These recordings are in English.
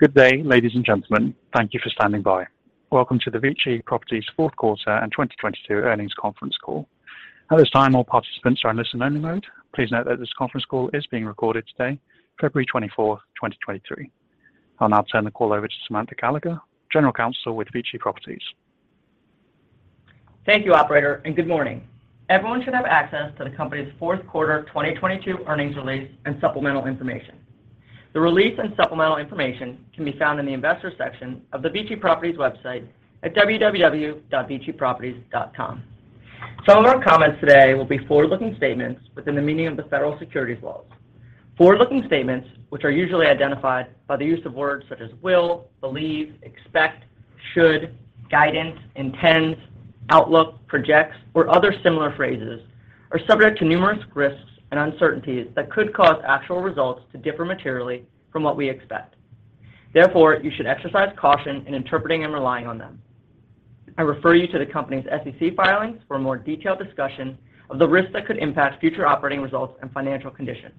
Good day, ladies and gentlemen. Thank you for standing by. Welcome to the VICI Properties Q4 and 2022 earnings conference call. At this time, all participants are in listen only mode. Please note that this conference call is being recorded today, February 24, 2023. I'll now turn the call over to Samantha Gallagher, General Counsel with VICI Properties. Thank you, Operator, and good morning. Everyone should have access to the company's Q4 2022 earnings release and supplemental information. The release and supplemental information can be found in the investors section of the VICI Properties website at www.viciproperties.com. Some of our comments today will be forward-looking statements within the meaning of the federal securities laws. Forward-looking statements, which are usually identified by the use of words such as will, believe, expect, should, guidance, intends, outlook, projects, or other similar phrases, are subject to numerous risks and uncertainties that could cause actual results to differ materially from what we expect. Therefore, you should exercise caution in interpreting and relying on them. I refer you to the company's SEC filings for a more detailed discussion of the risks that could impact future operating results and financial condition.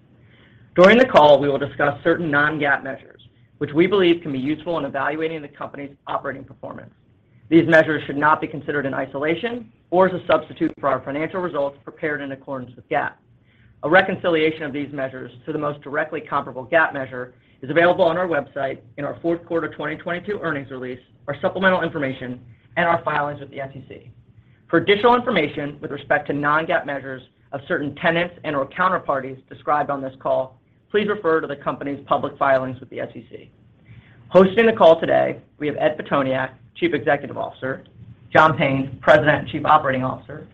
During the call, we will discuss certain non-GAAP measures which we believe can be useful in evaluating the company's operating performance. These measures should not be considered in isolation or as a substitute for our financial results prepared in accordance with GAAP. A reconciliation of these measures to the most directly comparable GAAP measure is available on our website in our Q4 2022 earnings release, our supplemental information, and our filings with the SEC. For additional information with respect to non-GAAP measures of certain tenants and/or counterparties described on this call, please refer to the company's public filings with the SEC. Hosting the call today we have Ed Pitoniak, Chief Executive Officer, John Payne, President and Chief Operating Officer,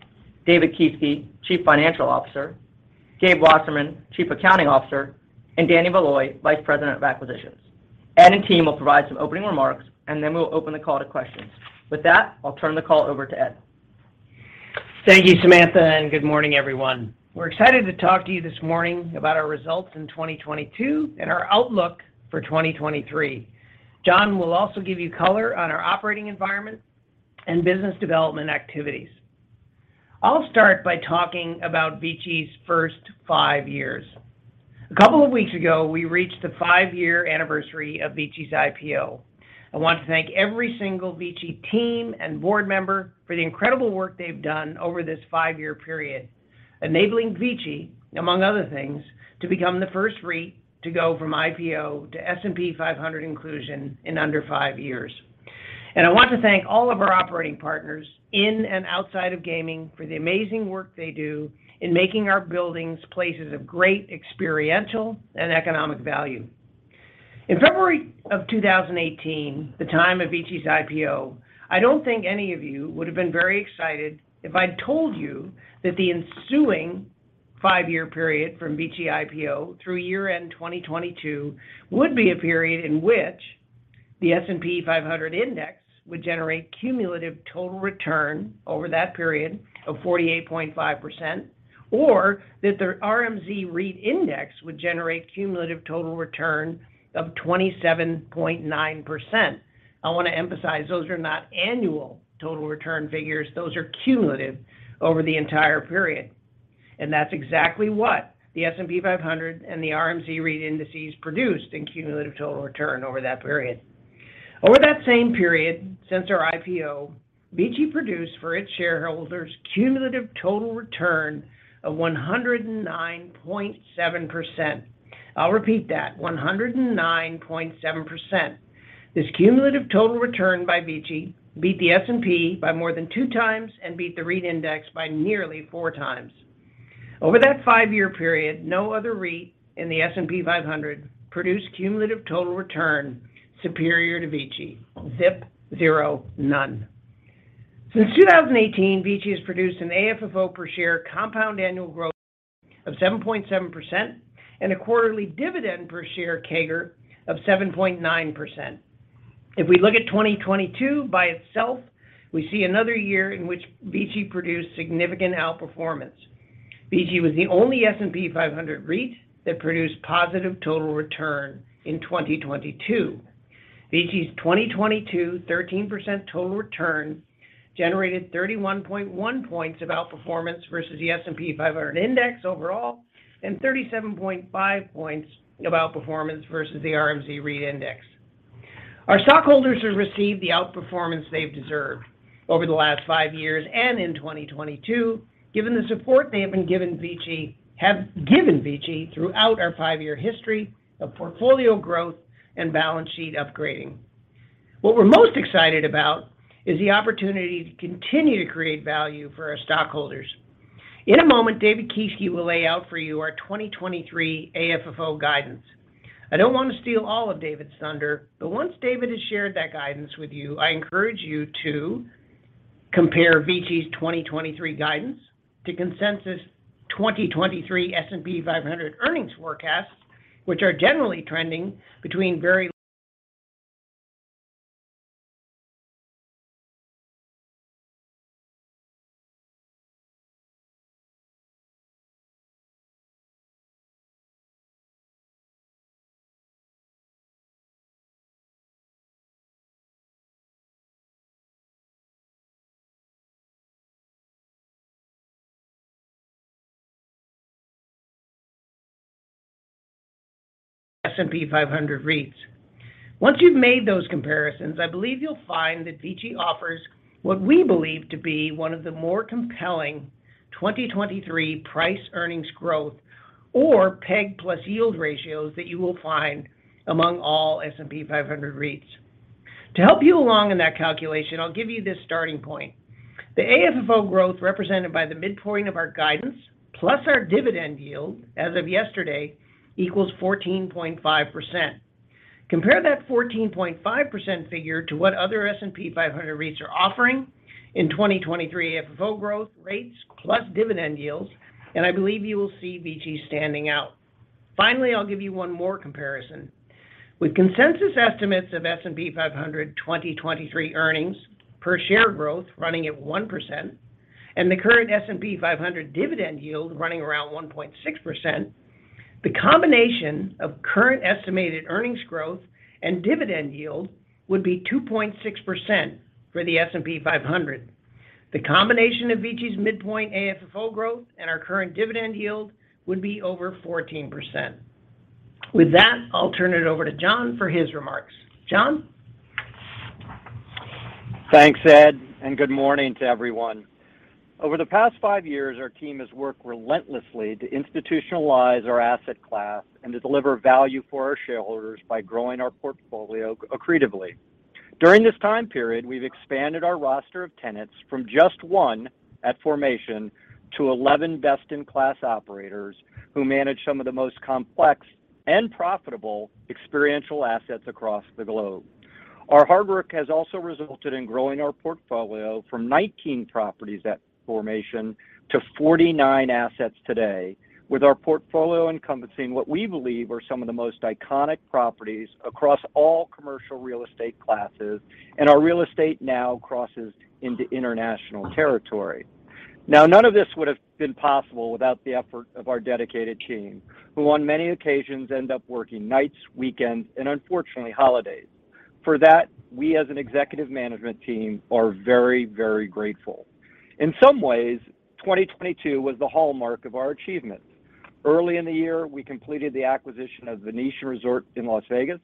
David Kieske, Chief Financial Officer, Gabe Wasserman, Chief Accounting Officer, and Danny Valoy, Vice President of Acquisitions. Ed and team will provide some opening remarks, and then we'll open the call to questions. With that, I'll turn the call over to Ed. Thank you, Samantha, and good morning, everyone. We're excited to talk to you this morning about our results in 2022 and our outlook for 2023. John will also give you color on our operating environment and business development activities. I'll start by talking about VICI's first five years. A couple of weeks ago, we reached the five-year anniversary of VICI's IPO. I want to thank every single VICI team and board member for the incredible work they've done over this five-year period, enabling VICI, among other things, to become the first REIT to go from IPO to S&P 500 inclusion in under five years. I want to thank all of our operating partners in and outside of gaming for the amazing work they do in making our buildings places of great experiential and economic value. In February of 2018, the time of VICI's IPO, I don't think any of you would have been very excited if I'd told you that the ensuing five-year period from VICI IPO through year end 2022 would be a period in which the S&P 500 index would generate cumulative total return over that period of 48.5%, or that the RMZ REIT index would generate cumulative total return of 27.9%. I want to emphasize those are not annual total return figures. Those are cumulative over the entire period. That's exactly what the S&P 500 and the RMZ REIT indices produced in cumulative total return over that period. Over that same period, since our IPO, VICI produced for its shareholders cumulative total return of 109.7%. I'll repeat that, 109.7%. This cumulative total return by VICI beat the S&P by more than two times and beat the REIT index by nearly four times. Over that five-year period, no other REIT in the S&P 500 produced cumulative total return superior to VICI. Zip. Zero. None. Since 2018, VICI has produced an AFFO per share compound annual growth of 7.7% and a quarterly dividend per share CAGR of 7.9%. If we look at 2022 by itself, we see another year in which VICI produced significant outperformance. VICI was the only S&P 500 REIT that produced positive total return in 2022. VICI's 2022 13% total return generated 31.1 points of outperformance versus the S&P 500 index overall and 37.5 points of outperformance versus the RMZ REIT index. Our stockholders have received the outperformance they've deserved over the last five years and in 2022, given the support they have been given VICI throughout our five-year history of portfolio growth and balance sheet upgrading. What we're most excited about is the opportunity to continue to create value for our stockholders. In a moment, David Kieske will lay out for you our 2023 AFFO guidance. I don't want to steal all of David's thunder, but once David has shared that guidance with you, I encourage you to compare VICI's 2023 guidance to consensus 2023 S&P 500 earnings forecasts, which are generally trending between S&P 500 REITs. Once you've made those comparisons, I believe you'll find that VICI offers what we believe to be one of the more compelling 2023 price earnings growth or PEG plus yield ratios that you will find among all S&P 500 REITs. To help you along in that calculation, I'll give you this starting point. The AFFO growth represented by the midpoint of our guidance plus our dividend yield as of yesterday equals 14.5%. Compare that 14.5% figure to what other S&P 500 REITs are offering in 2023 AFFO growth rates plus dividend yields, I believe you will see VICI standing out. Finally, I'll give you one more comparison. With consensus estimates of S&P 500 2023 earnings per share growth running at 1% and the current S&P 500 dividend yield running around 1.6%, the combination of current estimated earnings growth and dividend yield would be 2.6% for the S&P 500. The combination of VICI's midpoint AFFO growth and our current dividend yield would be over 14%. With that, I'll turn it over to John for his remarks. John? Thanks, Ed, and good morning to everyone. Over the past five years, our team has worked relentlessly to institutionalize our asset class and to deliver value for our shareholders by growing our portfolio accretively. During this time period, we've expanded our roster of tenants from just one at formation to 11 best-in-class operators who manage some of the most complex and profitable experiential assets across the globe. Our hard work has also resulted in growing our portfolio from 19 properties at formation to 49 assets today, with our portfolio encompassing what we believe are some of the most iconic properties across all commercial real estate classes, and our real estate now crosses into international territory. None of this would have been possible without the effort of our dedicated team, who on many occasions end up working nights, weekends, and unfortunately, holidays. For that, we as an executive management team are very, very grateful. In some ways, 2022 was the hallmark of our achievements. Early in the year, we completed the acquisition of Venetian Resort in Las Vegas,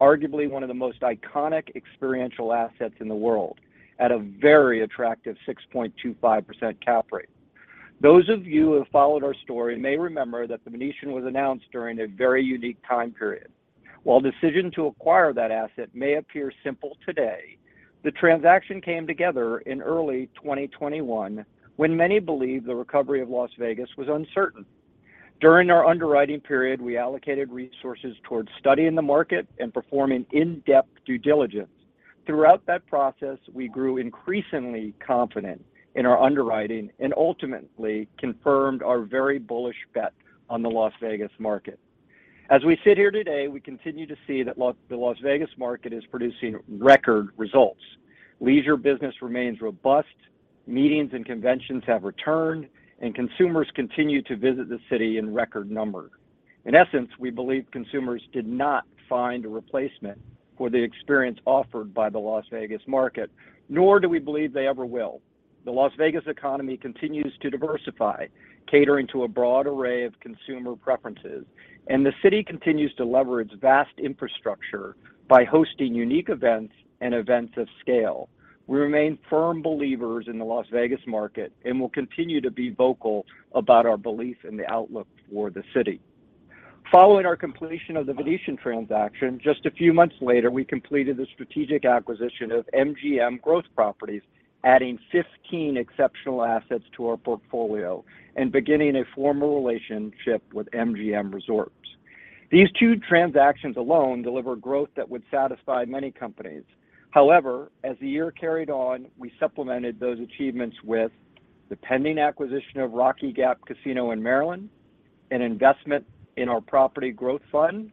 arguably one of the most iconic experiential assets in the world, at a very attractive 6.25% cap rate. Those of you who have followed our story may remember that The Venetian was announced during a very unique time period. While decision to acquire that asset may appear simple today, the transaction came together in early 2021, when many believed the recovery of Las Vegas was uncertain. During our underwriting period, we allocated resources towards studying the market and performing in-depth due diligence. Throughout that process, we grew increasingly confident in our underwriting and ultimately confirmed our very bullish bet on the Las Vegas market. As we sit here today, we continue to see that the Las Vegas market is producing record results. Leisure business remains robust. Meetings and conventions have returned. Consumers continue to visit the city in record numbers. In essence, we believe consumers did not find a replacement for the experience offered by the Las Vegas market, nor do we believe they ever will. The Las Vegas economy continues to diversify, catering to a broad array of consumer preferences. The city continues to leverage vast infrastructure by hosting unique events and events of scale. We remain firm believers in the Las Vegas market and will continue to be vocal about our belief in the outlook for the city. Following our completion of The Venetian transaction, just a few months later, we completed the strategic acquisition of MGM Growth Properties, adding 15 exceptional assets to our portfolio and beginning a formal relationship with MGM Resorts. These two transactions alone deliver growth that would satisfy many companies. However, as the year carried on, we supplemented those achievements with the pending acquisition of Rocky Gap Casino in Maryland, an investment in our Partner Property Growth Fund,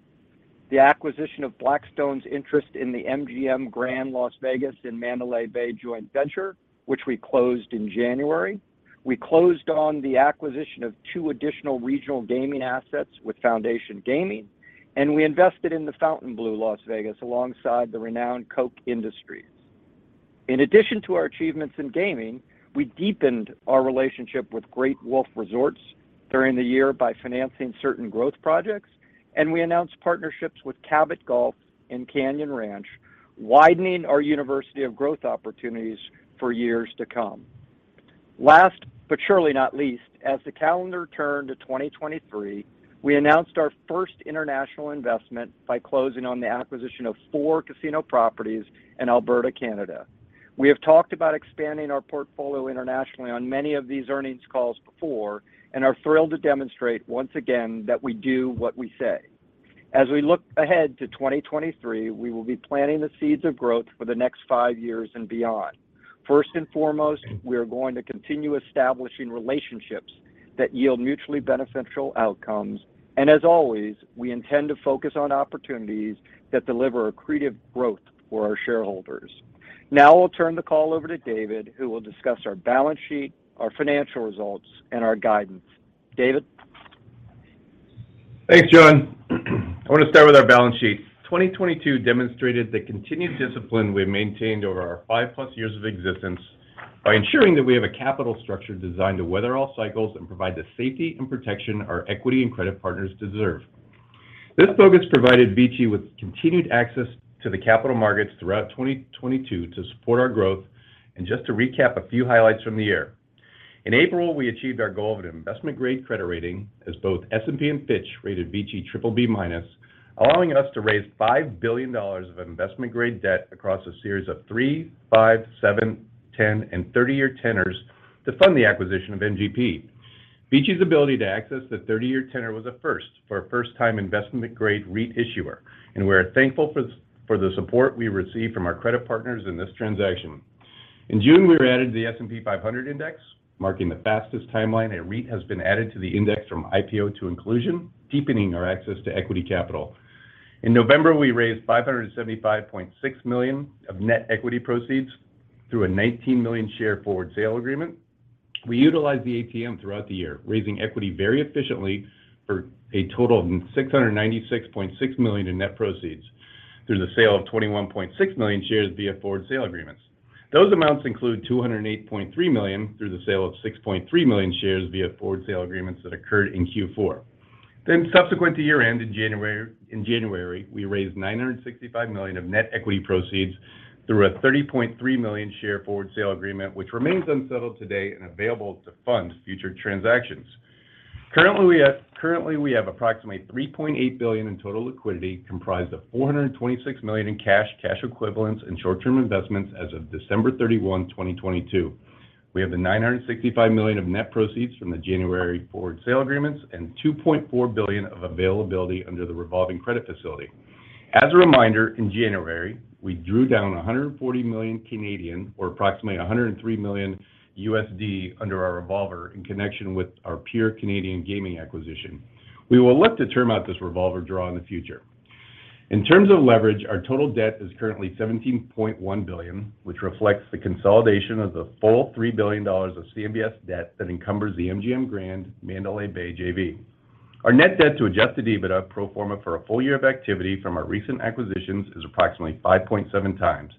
the acquisition of Blackstone's interest in the MGM Grand Las Vegas and Mandalay Bay joint venture, which we closed in January. We closed on the acquisition of two additional regional gaming assets with Foundation Gaming, we invested in the Fontainebleau Las Vegas alongside the renowned Koch Industries. In addition to our achievements in gaming, we deepened our relationship with Great Wolf Resorts during the year by financing certain growth projects, and we announced partnerships with Cabot Golf and Canyon Ranch, widening our university of growth opportunities for years to come. Last, but surely not least, as the calendar turned to 2023, we announced our first international investment by closing on the acquisition of four casino properties in Alberta, Canada. We have talked about expanding our portfolio internationally on many of these earnings calls before and are thrilled to demonstrate once again that we do what we say. As we look ahead to 2023, we will be planting the seeds of growth for the next five years and beyond. First and foremost, we are going to continue establishing relationships that yield mutually beneficial outcomes. As always, we intend to focus on opportunities that deliver accretive growth for our shareholders. Now I'll turn the call over to David, who will discuss our balance sheet, our financial results, and our guidance. David? Thanks, John. I want to start with our balance sheet. 2022 demonstrated the continued discipline we've maintained over our 5+ years of existence by ensuring that we have a capital structure designed to weather all cycles and provide the safety and protection our equity and credit partners deserve. This focus provided VICI with continued access to the capital markets throughout 2022 to support our growth. Just to recap a few highlights from the year. In April, we achieved our goal of an investment-grade credit rating as both S&P and Fitch rated VICI BBB-, allowing us to raise $5 billion of investment-grade debt across a series of three, five, seven, 10, and 30-year tenors to fund the acquisition of MGP. VICI's ability to access the 30-year tenor was a first for a first-time investment-grade REIT issuer, we're thankful for the support we received from our credit partners in this transaction. In June, we were added to the S&P 500 Index, marking the fastest timeline a REIT has been added to the index from IPO to inclusion, deepening our access to equity capital. In November, we raised $575.6 million of net equity proceeds through a 19 million share forward sale agreement. We utilized the ATM throughout the year, raising equity very efficiently for a total of $696.6 million in net proceeds through the sale of 21.6 million shares via forward sale agreements. Those amounts include $208.3 million through the sale of 6.3 million shares via forward sale agreements that occurred in Q4. Subsequent to year-end in January, we raised $965 million of net equity proceeds through a 30.3 million share forward sale agreement, which remains unsettled today and available to fund future transactions. Currently, we have approximately $3.8 billion in total liquidity, comprised of $426 million in cash equivalents and short-term investments as of December 31, 2022. We have the $965 million of net proceeds from the January forward sale agreements and $2.4 billion of availability under the revolving credit facility. As a reminder, in January, we drew down 140 million or approximately $103 million under our revolver in connection with our PURE Canadian Gaming acquisition. We will look to term out this revolver draw in the future. In terms of leverage, our total debt is currently $17.1 billion, which reflects the consolidation of the full $3 billion of CMBS debt that encumbers the MGM Grand Las Vegas / Mandalay Bay JV. Our net debt to adjusted EBITDA pro forma for a full year of activity from our recent acquisitions is approximately 5.7x.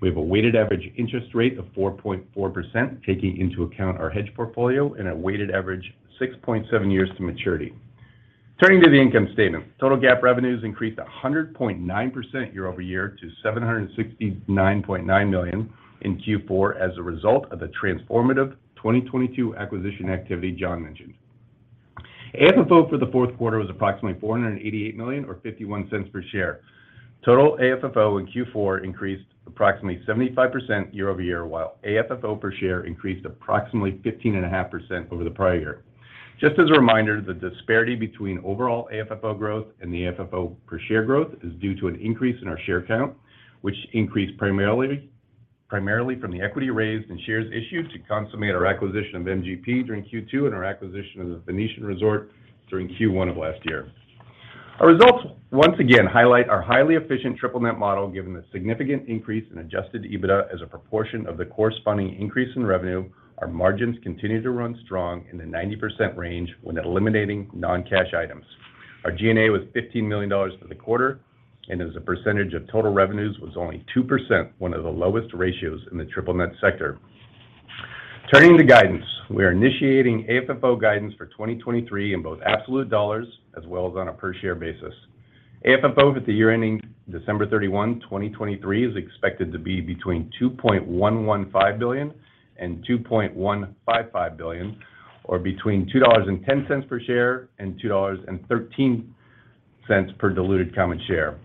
We have a weighted average interest rate of 4.4%, taking into account our hedge portfolio and a weighted average 6.7 years to maturity. Turning to the income statement. Total GAAP revenues increased 100.9% year-over-year to $769.9 million in Q4 as a result of the transformative 2022 acquisition activity John mentioned. AFFO for the Q4 was approximately $488 million or $0.51 per share. Total AFFO in Q4 increased approximately 75% year-over-year, while AFFO per share increased approximately 15.5% over the prior year. Just as a reminder, the disparity between overall AFFO growth and the AFFO per share growth is due to an increase in our share count, which increased primarily from the equity raised and shares issued to consummate our acquisition of MGP during Q2 and our acquisition of The Venetian Resort during Q1 of last year. Our results once again highlight our highly efficient triple-net model, given the significant increase in adjusted EBITDA as a proportion of the corresponding increase in revenue. Our margins continue to run strong in the 90% range when eliminating non-cash items. Our G&A was $15 million for the quarter, and as a percentage of total revenues was only 2%, one of the lowest ratios in the triple-net sector. Turning to guidance. We are initiating AFFO guidance for 2023 in both absolute dollars as well as on a per share basis. AFFO at the year ending December 31, 2023 is expected to be between $2.115 billion and $2.155 billion, or between $2.10 per share and $2.13 per diluted common share.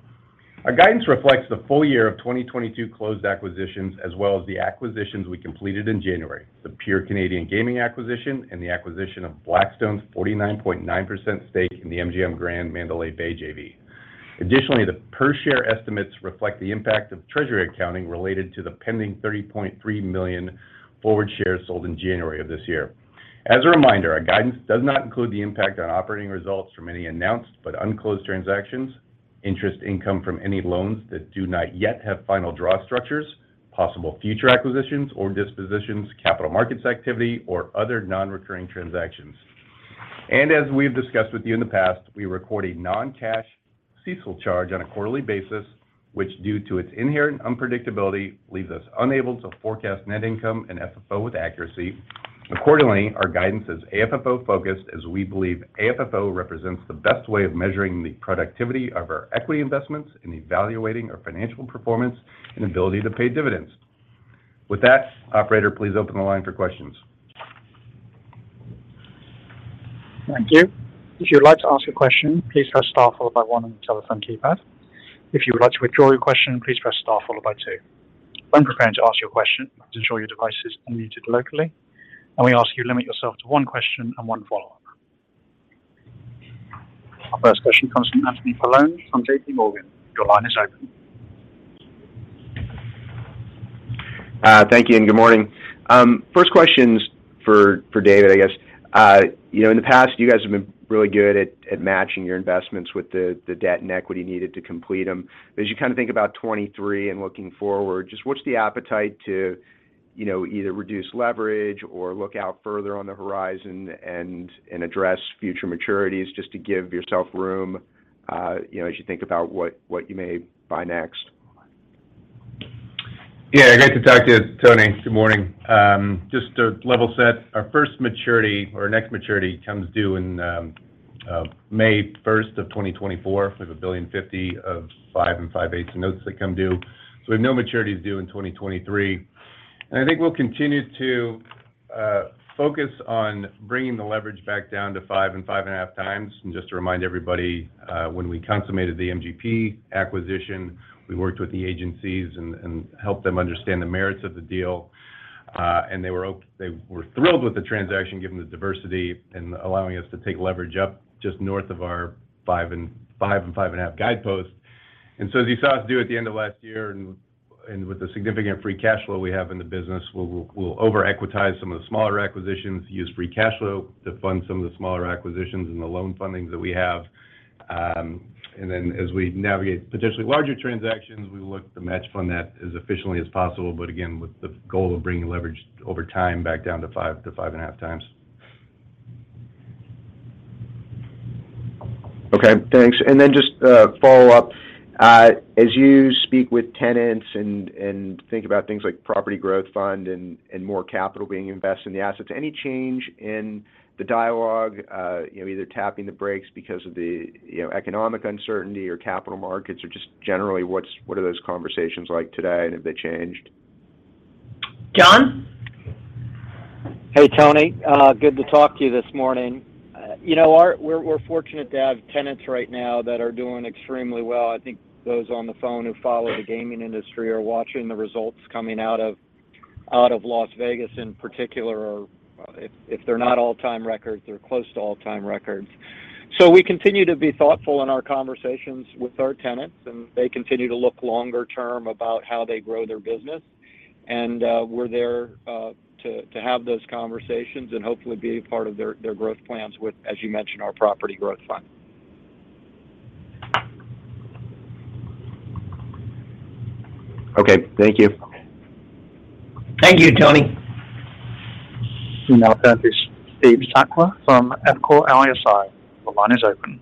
Our guidance reflects the full year of 2022 closed acquisitions as well as the acquisitions we completed in January, the PURE Canadian Gaming acquisition and the acquisition of Blackstone's 49.9% stake in the MGM Grand Las Vegas / Mandalay Bay JV. Additionally, the per share estimates reflect the impact of treasury accounting related to the pending $30.3 million forward shares sold in January of this year. As a reminder, our guidance does not include the impact on operating results from any announced but unclosed transactions, interest income from any loans that do not yet have final draw structures, possible future acquisitions or dispositions, capital markets activity, or other non-recurring transactions. As we've discussed with you in the past, we record a non-cash CECL charge on a quarterly basis, which, due to its inherent unpredictability, leaves us unable to forecast net income and FFO with accuracy. Accordingly, our guidance is AFFO focused as we believe AFFO represents the best way of measuring the productivity of our equity investments in evaluating our financial performance and ability to pay dividends. With that, operator, please open the line for questions. Thank you. If you'd like to ask a question, please press star followed by one on your telephone keypad. If you would like to withdraw your question, please press star followed by two. When preparing to ask your question, ensure your device is unmuted locally, and we ask you limit yourself to one question and one follow-up. Our first question comes from Anthony Paolone from JPMorgan. Your line is open. Thank you, good morning. First question's for David, I guess. You know, in the past, you guys have been really good at matching your investments with the debt and equity needed to complete them. As you kind of think about 2023 and looking forward, just what's the appetite to, you know, either reduce leverage or look out further on the horizon and address future maturities just to give yourself room, you know, as you think about what you may buy next. Great to talk to you, Tony. Good morning. Just to level set, our first maturity or next maturity comes due in May 1st of 2024. We have $1.05 billion of five and five-eighths notes that come due. We have no maturities due in 2023. I think we'll continue to focus on bringing the leverage back down to 5x and 5.5x. Just to remind everybody, when we consummated the MGP acquisition, we worked with the agencies and helped them understand the merits of the deal. They were thrilled with the transaction given the diversity and allowing us to take leverage up just north of our 5x and 5.5x guideposts. As you saw us do at the end of last year and with the significant free cash flow we have in the business, we'll over equitize some of the smaller acquisitions, use free cash flow to fund some of the smaller acquisitions and the loan fundings that we have. As we navigate potentially larger transactions, we look to match fund that as efficiently as possible. Again, with the goal of bringing leverage over time back down to 5x to 5.5x. Okay, thanks. Just a follow-up. As you speak with tenants and think about things like Property Growth Fund and more capital being invested in the assets, any change in the dialogue, you know, either tapping the brakes because of the, you know, economic uncertainty or capital markets or just generally what are those conversations like today and have they changed? John. Hey, Tony. Good to talk to you this morning. You know, we're fortunate to have tenants right now that are doing extremely well. I think those on the phone who follow the gaming industry are watching the results coming out of Las Vegas in particular, or if they're not all-time records, they're close to all-time records. We continue to be thoughtful in our conversations with our tenants, and they continue to look longer term about how they grow their business. We're there to have those conversations and hopefully be a part of their growth plans with, as you mentioned, our Partner Property Growth Fund. Okay, thank you. Thank you, Tony. We now have Steve Sakwa from Evercore ISI. The line is open.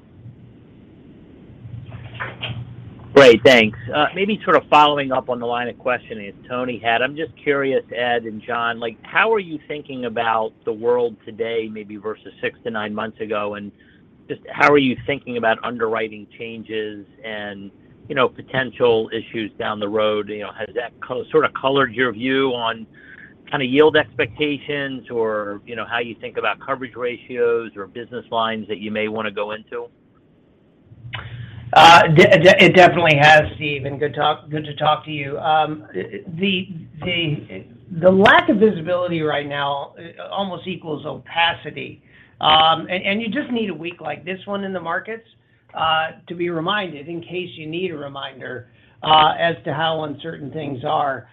Great, thanks. Maybe sort of following up on the line of questioning that Tony had. I'm just curious, Ed and John, like, how are you thinking about the world today, maybe versus six to nine months ago? Just how are you thinking about underwriting changes and, you know, potential issues down the road? You know, has that colored your view on kind of yield expectations or, you know, how you think about coverage ratios or business lines that you may wanna go into? It definitely has, Steve, good to talk to you. The lack of visibility right now almost equals opacity. You just need a week like this one in the markets to be reminded in case you need a reminder as to how uncertain things are.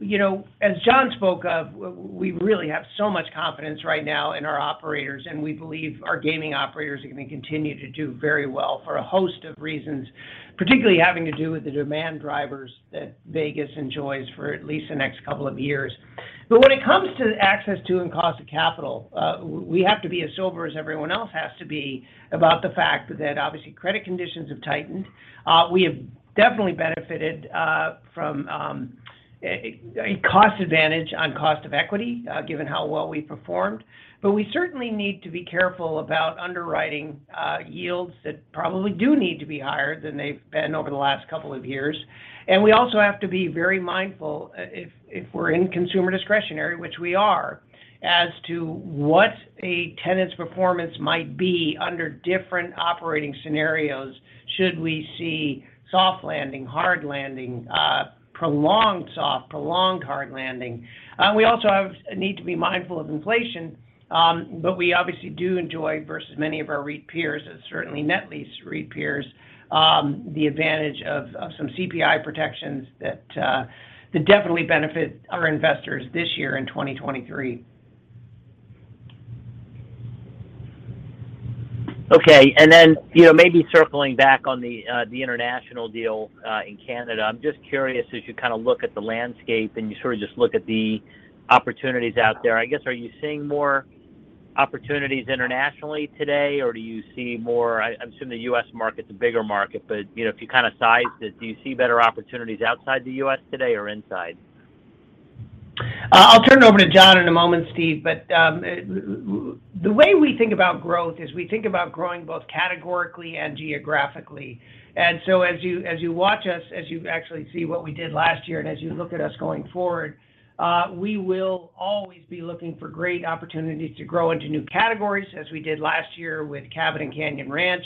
You know, as John spoke of, we really have so much confidence right now in our operators, and we believe our gaming operators are gonna continue to do very well for a host of reasons, particularly having to do with the demand drivers that Vegas enjoys for at least the next couple of years. When it comes to access to and cost of capital, we have to be as sober as everyone else has to be about the fact that obviously credit conditions have tightened. We have definitely benefited from a cost advantage on cost of equity given how well we performed. We certainly need to be careful about underwriting yields that probably do need to be higher than they've been over the last couple of years. We also have to be very mindful if we're in consumer discretionary, which we are, as to what a tenant's performance might be under different operating scenarios should we see soft landing, hard landing, prolonged soft, prolonged hard landing. We also need to be mindful of inflation. We obviously do enjoy versus many of our REIT peers, and certainly net lease REIT peers, the advantage of some CPI protections that definitely benefit our investors this year in 2023. Okay. Then, you know, maybe circling back on the international deal in Canada. I'm just curious, as you kind of look at the landscape and you sort of just look at the opportunities out there. I guess, are you seeing more opportunities internationally today, or do you see more I'm assuming the U.S. market's a bigger market, you know, if you kind of size it, do you see better opportunities outside the U.S. today or inside? I'll turn it over to John in a moment, Steve, the way we think about growth is we think about growing both categorically and geographically. As you watch us, as you actually see what we did last year, and as you look at us going forward, we will always be looking for great opportunities to grow into new categories as we did last year with Cabot and Canyon Ranch.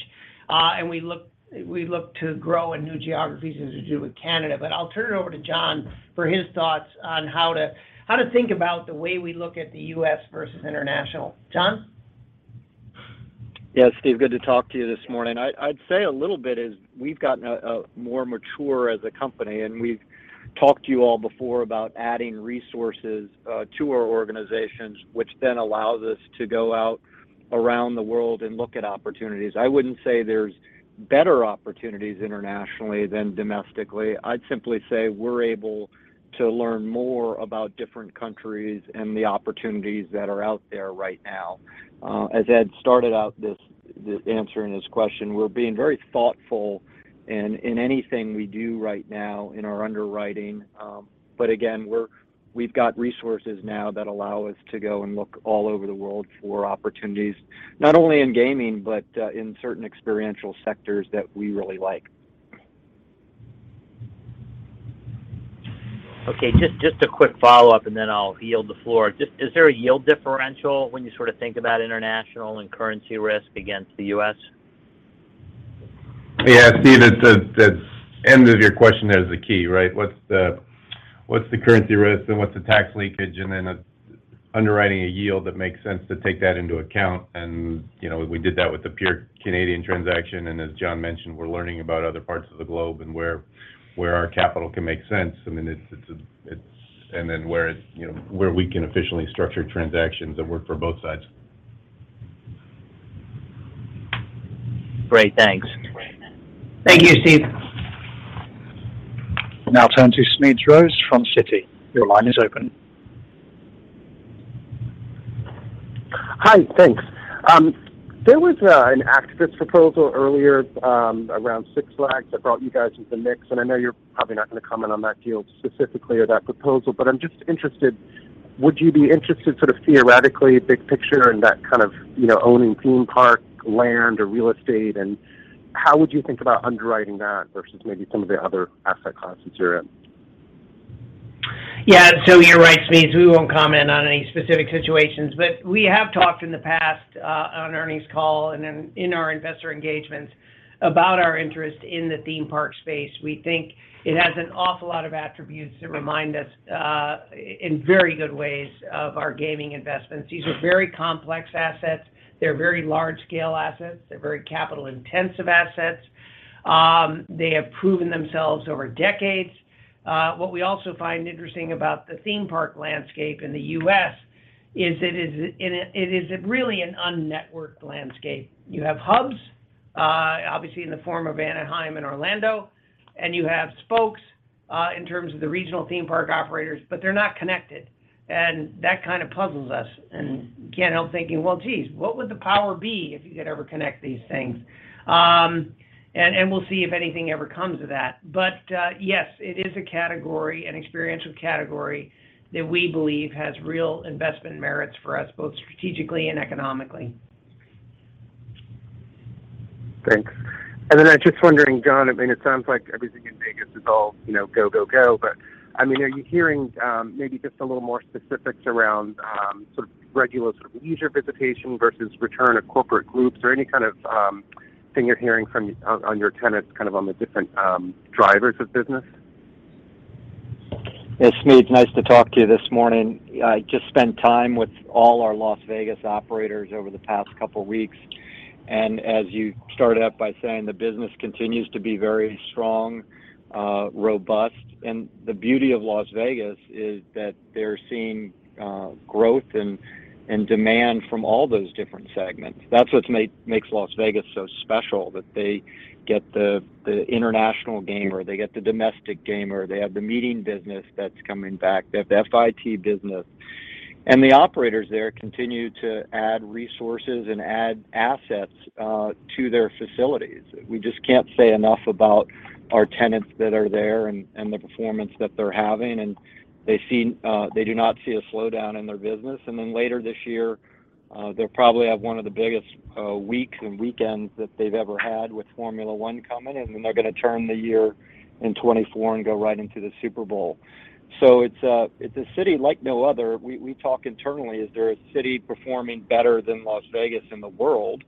We look to grow in new geographies as we do with Canada. I'll turn it over to John for his thoughts on how to think about the way we look at the U.S. versus international. John? Yeah, Steve, good to talk to you this morning. I'd say a little bit is we've gotten more mature as a company. We've talked to you all before about adding resources to our organizations, which allows us to go out around the world and look at opportunities. I wouldn't say there's better opportunities internationally than domestically. I'd simply say we're able to learn more about different countries and the opportunities that are out there right now. As Ed started out answering this question, we're being very thoughtful in anything we do right now in our underwriting. Again, we've got resources now that allow us to go and look all over the world for opportunities, not only in gaming, but in certain experiential sectors that we really like. Okay. Just a quick follow-up, then I'll yield the floor. Is there a yield differential when you sort of think about international and currency risk against the U.S.? Yeah. Steve, that's end of your question there is the key, right? What's the, what's the currency risk, and what's the tax leakage, and then underwriting a yield that makes sense to take that into account. You know, we did that with the PURE Canadian Gaming transaction, and as John mentioned, we're learning about other parts of the globe and where our capital can make sense. I mean, it's. Then where it's, you know, where we can efficiently structure transactions that work for both sides. Great. Thanks. Thank you, Steve. We'll now turn to Smedes Rose from Citi. Your line is open. Hi. Thanks. There was an activist proposal earlier, around Six Flags that brought you guys into the mix, I know you're probably not gonna comment on that deal specifically or that proposal. I'm just interested, would you be interested sort of theoretically, big picture in that kind of, you know, owning theme park land or real estate, and how would you think about underwriting that versus maybe some of the other asset classes you're in? You're right, Smedes. We won't comment on any specific situations. We have talked in the past on earnings call and in our investor engagements about our interest in the theme park space. We think it has an awful lot of attributes that remind us in very good ways of our gaming investments. These are very complex assets. They're very large-scale assets. They're very capital-intensive assets. They have proven themselves over decades. What we also find interesting about the theme park landscape in the U.S. is it is really an un-networked landscape. You have hubs, obviously in the form of Anaheim and Orlando, and you have spokes in terms of the regional theme park operators, but they're not connected. That kind of puzzles us and can't help thinking, "Well, geez, what would the power be if you could ever connect these things?" We'll see if anything ever comes of that. Yes, it is a category, an experiential category that we believe has real investment merits for us, both strategically and economically. Thanks. I'm just wondering, John, I mean, it sounds like everything in Vegas is all, you know, go, go. I mean, are you hearing, maybe just a little more specifics around, sort of regular sort of leisure visitation versus return of corporate groups or any kind of, thing you're hearing on your tenants kind of on the different, drivers of business? Yeah. Smedes, nice to talk to you this morning. I just spent time with all our Las Vegas operators over the past couple weeks. As you started out by saying the business continues to be very strong, robust. The beauty of Las Vegas is that they're seeing growth and demand from all those different segments. That's what makes Las Vegas so special, that they get the international gamer, they get the domestic gamer, they have the meeting business that's coming back. They have the FIT business. The operators there continue to add resources and add assets to their facilities. We just can't say enough about our tenants that are there and the performance that they're having, and they do not see a slowdown in their business. Later this year, they'll probably have one of the biggest weeks and weekends that they've ever had with Formula 1 coming, and then they're gonna turn the year in 2024 and go right into the Super Bowl. It's a city like no other. We talk internally, is there a city performing better than Las Vegas in the world?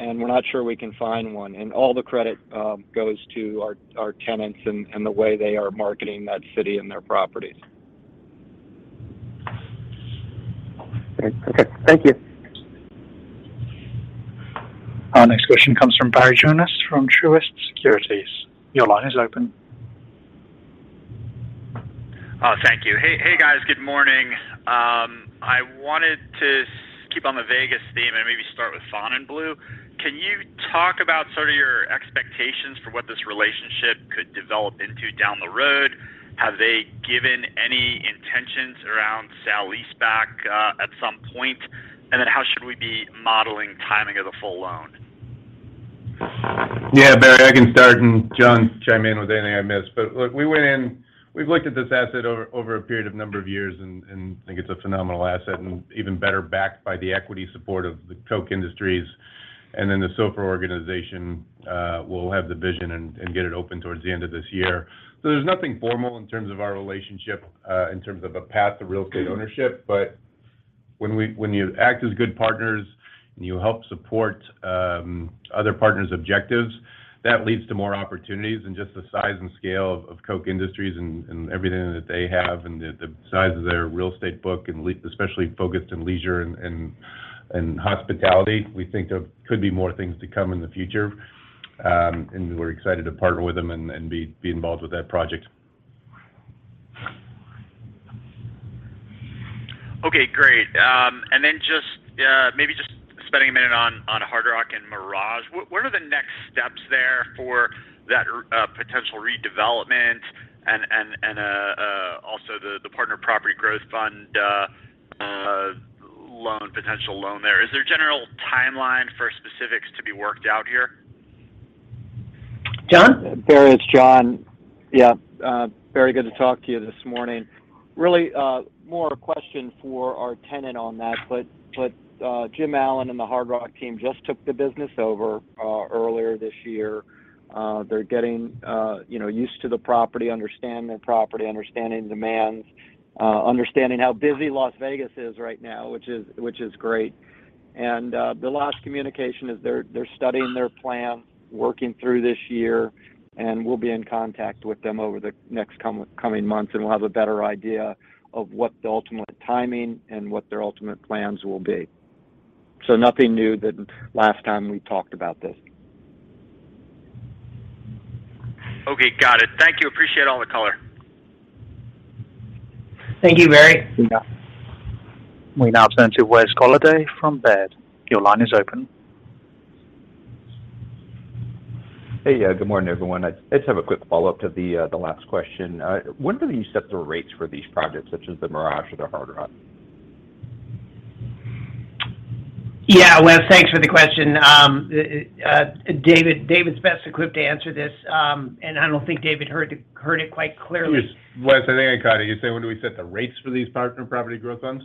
We're not sure we can find one. All the credit goes to our tenants and the way they are marketing that city and their properties. Great. Okay. Thank you. Our next question comes from Barry Jonas from Truist Securities. Your line is open. Oh, thank you. Hey, hey, guys. Good morning. I wanted to keep on the Vegas theme and maybe start with Fontainebleau. Can you talk about sort of your expectations for what this relationship could develop into down the road? Have they given any intentions around sale-leaseback at some point? How should we be modeling timing of the full loan? Yeah, Barry, I can start and John chime in with anything I miss. Look, we've looked at this asset over a period of number of years and think it's a phenomenal asset and even better backed by the equity support of the Koch Industries. The Soffer organization will have the vision and get it open towards the end of this year. There's nothing formal in terms of our relationship in terms of a path to real estate ownership. When you act as good partners and you help support other partners' objectives, that leads to more opportunities and just the size and scale of Koch Industries and everything that they have and the size of their real estate book, and especially focused in leisure and hospitality, we think of could be more things to come in the future. We're excited to partner with them and be involved with that project. Okay, great. Maybe just spending a minute on Hard Rock and Mirage. What are the next steps there for that potential redevelopment and also the Partner Property Growth Fund loan, potential loan there? Is there a general timeline for specifics to be worked out here? John? Barry, it's John. Yeah. Barry good to talk to you this morning. Really, more a question for our tenant on that. Jim Allen and the Hard Rock team just took the business over earlier this year. They're getting, you know, used to the property, understanding the property, understanding demands, understanding how busy Las Vegas is right now, which is great. The last communication is they're studying their plan, working through this year, and we'll be in contact with them over the next coming months, and we'll have a better idea of what the ultimate timing and what their ultimate plans will be. Nothing new than last time we talked about this. Okay. Got it. Thank you. Appreciate all the color. Thank you, Barry. Yeah. We now turn to Wes Golladay from Baird. Your line is open. Hey. Yeah, good morning, everyone. I just have a quick follow-up to the last question. When do you set the rates for these projects such as the Mirage or the Hard Rock? Wes, thanks for the question. David's best equipped to answer this, and I don't think David heard it quite clearly. Wes, I think I got it. You're saying, when do we set the rates for these Partner Property Growth Funds?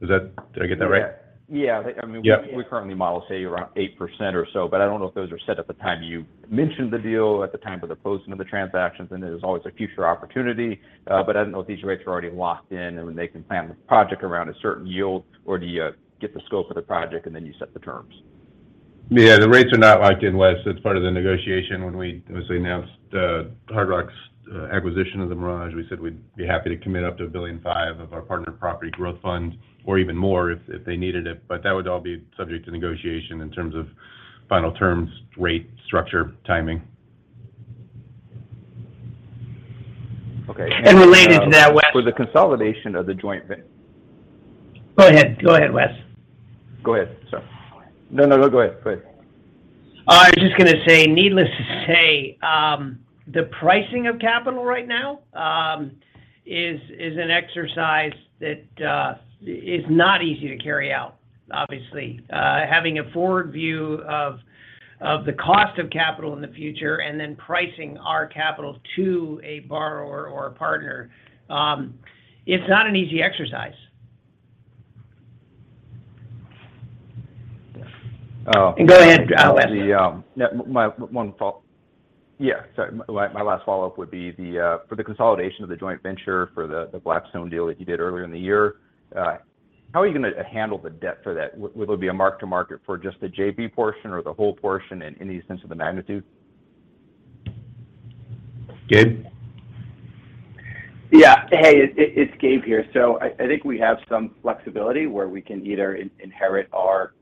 Did I get that right? Yeah. Yeah. Yeah. I mean, we currently model, say around 8% or so, but I don't know if those are set at the time you mention the deal, at the time of the closing of the transactions, and there's always a future opportunity. I don't know if these rates are already locked in and when they can plan the project around a certain yield or do you get the scope of the project and then you set the terms. Yeah, the rates are not locked in, Wes. It's part of the negotiation. As we announced, Hard Rock's acquisition of the Mirage, we said we'd be happy to commit up to $1.5 billion of our Partner Property Growth Fund or even more if they needed it. That would all be subject to negotiation in terms of final terms, rate, structure, timing. Okay. Related to that, Wes-. For the consolidation of the- Go ahead. Go ahead, Wes. Go ahead, sir. No, go ahead. I was just gonna say, needless to say, the pricing of capital right now, is an exercise that is not easy to carry out, obviously. Having a forward view of the cost of capital in the future and then pricing our capital to a borrower or a partner, it's not an easy exercise. Oh. Go ahead, Wes. My last follow-up would be for the consolidation of the joint venture for the Blackstone deal that you did earlier in the year. How are you gonna handle the debt for that? Will it be a mark to market for just the JV portion or the whole portion? Any sense of the magnitude? Gabe? Yeah. Hey, it's Gabe here. I think we have some flexibility where we can either inherit our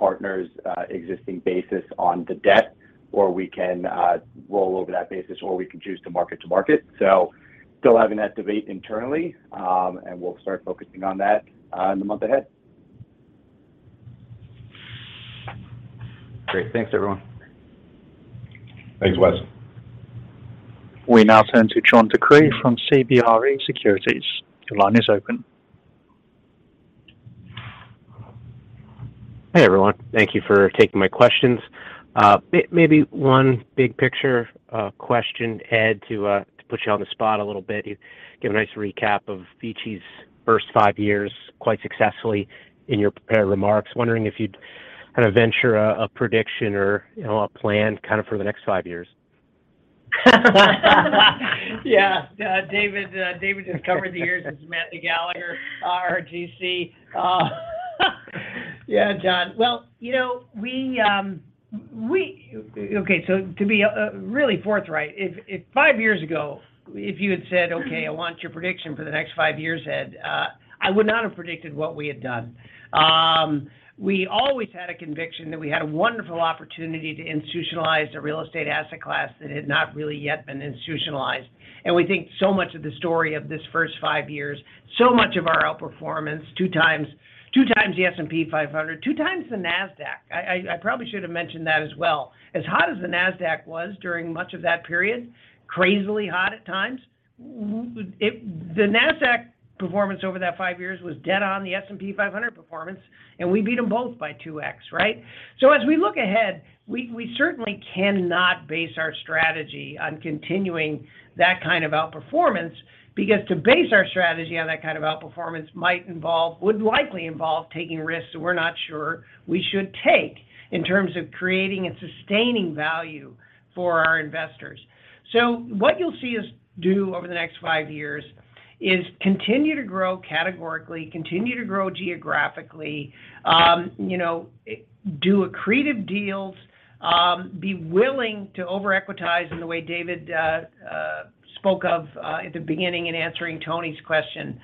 partner's existing basis on the debt or we can roll over that basis or we can choose to market to market. Still having that debate internally, and we'll start focusing on that in the month ahead. Great. Thanks, everyone. Thanks, Wes. We now turn to John DeCree from CBRE Securities. Your line is open. Hey, everyone. Thank you for taking my questions. maybe one big picture, question, Ed, to put you on the spot a little bit. You gave a nice recap of VICI's first five years quite successfully in your prepared remarks. Wondering if you'd kind of venture a prediction or, you know, a plan kind of for the next five years? Yeah. David just covered the years as Samantha Gallagher, our GC. Yeah, John. Well, you know, we. Okay, so to be really forthright, if five years ago, if you had said, "Okay, I want your prediction for the next five years, Ed," I would not have predicted what we had done. We always had a conviction that we had a wonderful opportunity to institutionalize a real estate asset class that had not really yet been institutionalized. We think so much of the story of this first five years, so much of our outperformance, two times the S&P 500, two times the Nasdaq. I probably should have mentioned that as well. As hot as the Nasdaq was during much of that period, crazily hot at times, the Nasdaq performance over that five years was dead on the S&P 500 performance, and we beat them both by 2x, right? As we look ahead, we certainly cannot base our strategy on continuing that kind of outperformance because to base our strategy on that kind of outperformance would likely involve taking risks that we're not sure we should take in terms of creating and sustaining value for our investors. What you'll see us do over the next five years is continue to grow categorically, continue to grow geographically, you know, do accretive deals, be willing to over-equitize in the way David spoke of at the beginning in answering Tony's question.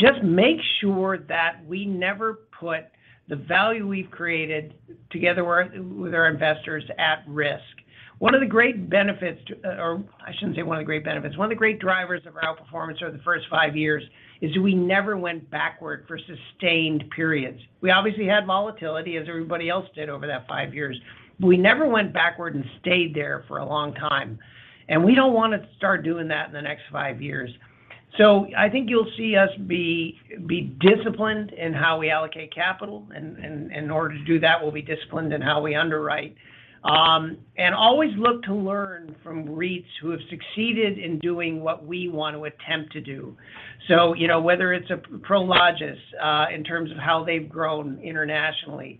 Just make sure that we never put the value we've created together with our investors at risk. One of the great drivers of our outperformance over the first five years is we never went backward for sustained periods. We obviously had volatility as everybody else did over that five years. We never went backward and stayed there for a long time. We don't wanna start doing that in the next five years. I think you'll see us be disciplined in how we allocate capital and in order to do that, we'll be disciplined in how we underwrite. Always look to learn from REITs who have succeeded in doing what we want to attempt to do. You know, whether it's a Prologis, in terms of how they've grown internationally,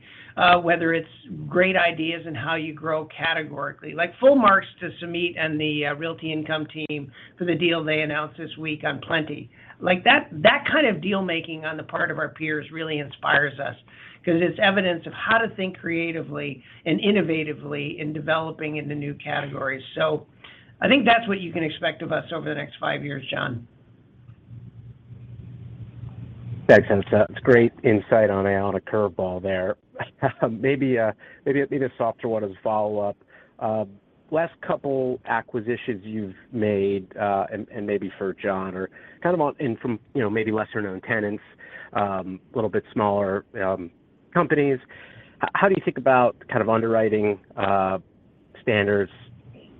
whether it's great ideas in how you grow categorically. Full marks to Sumit and the Realty Income team for the deal they announced this week on Plenty. That kind of deal-making on the part of our peers really inspires us because it's evidence of how to think creatively and innovatively in developing into new categories. I think that's what you can expect of us over the next five years, John. Thanks, and it's great insight on a curve ball there. Maybe, a softer one as a follow-up. Last couple acquisitions you've made, and maybe for John, are kind of on and from, you know, maybe lesser-known tenants, little bit smaller companies. How do you think about kind of underwriting standards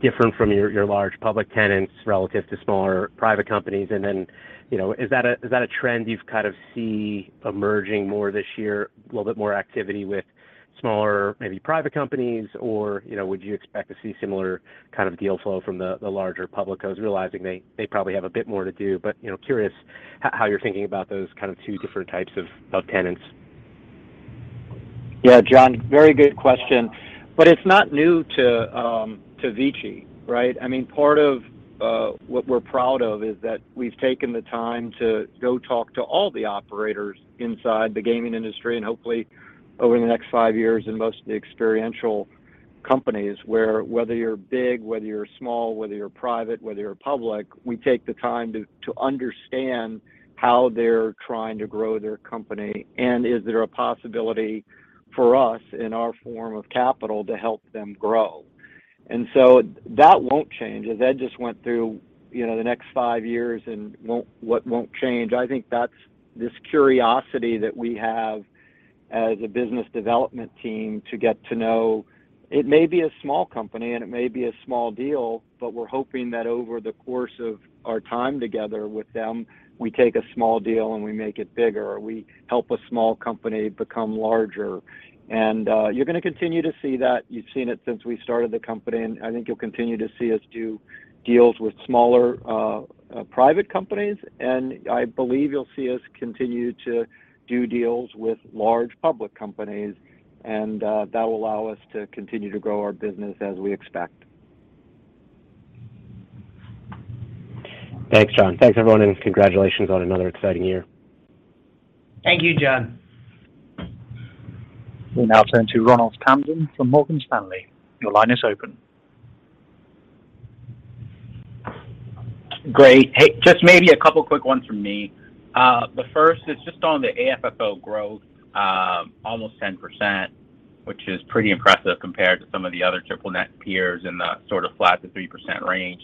different from your large public tenants relative to smaller private companies? Then, you know, is that a trend you kind of see emerging more this year, a little bit more activity with smaller, maybe private companies? Or, you know, would you expect to see similar kind of deal flow from the larger public? I was realizing they probably have a bit more to do, but, you know, curious how you're thinking about those kind of two different types of tenants. Yeah, John, very good question. It's not new to VICI, right? I mean, part of what we're proud of is that we've taken the time to go talk to all the operators inside the gaming industry and hopefully over the next five years in most of the experiential companies where whether you're big, whether you're small, whether you're private, whether you're public, we take the time to understand how they're trying to grow their company and is there a possibility for us in our form of capital to help them grow. That won't change. As Ed just went through, you know, the next five years and what won't change, I think that's this curiosity that we have as a business development team to get to know. It may be a small company and it may be a small deal, but we're hoping that over the course of our time together with them, we take a small deal, and we make it bigger, or we help a small company become larger. You're gonna continue to see that. You've seen it since we started the company, and I think you'll continue to see us do deals with smaller, private companies. I believe you'll see us continue to do deals with large public companies, and, that will allow us to continue to grow our business as we expect. Thanks, John. Thanks, everyone, and congratulations on another exciting year. Thank you, John. We'll now turn to Ronald Kamdem from Morgan Stanley. Your line is open. Great. Hey, just maybe a couple quick ones from me. The first is just on the AFFO growth, almost 10%, which is pretty impressive compared to some of the other triple-net peers in the sort of flat to 3% range.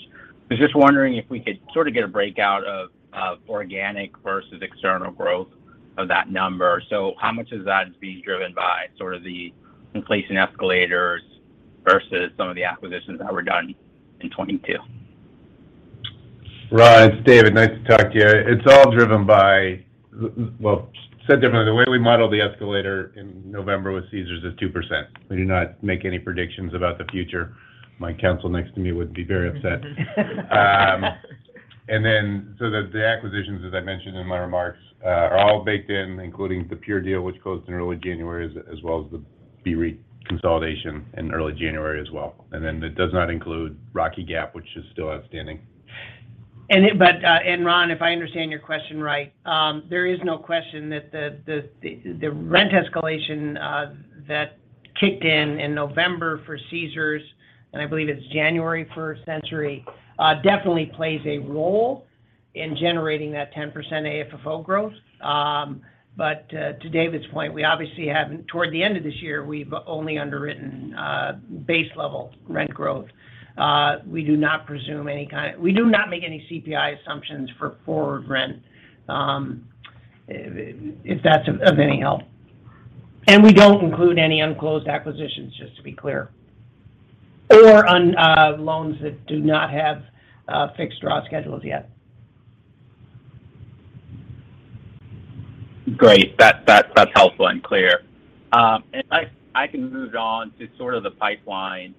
I was just wondering if we could sort of get a breakout of organic versus external growth of that number. How much is that being driven by sort of the inflation escalators versus some of the acquisitions that were done in 2022? Ronald, it's David. Nice to talk to you. It's all driven by well, said differently, the way we model the escalator in November with Caesars is 2%. We do not make any predictions about the future. My counsel next to me would be very upset. The acquisitions, as I mentioned in my remarks, are all baked in, including the PURE deal, which closed in early January, as well as the VICI consolidation in early January as well. It does not include Rocky Gap, which is still outstanding. Ron, if I understand your question right, there is no question that the rent escalation that kicked in in November for Caesars, and I believe it's January for Century Casinos, definitely plays a role in generating that 10% AFFO growth. To David's point, we obviously haven't toward the end of this year, we've only underwritten base level rent growth. We do not make any CPI assumptions for forward rent, if that's of any help. We don't include any unclosed acquisitions, just to be clear, or on loans that do not have fixed draw schedules yet. Great. That's helpful and clear. I can move on to sort of the pipeline.